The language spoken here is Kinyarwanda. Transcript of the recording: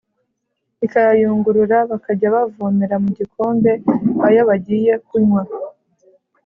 ikayayungurura bakajya bavomera mu gikombe ayo bagiye kunywa.